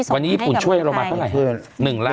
วันนี้ญี่ปุ่นช่วยเรามาเท่าไหร่